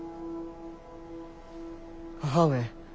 母上。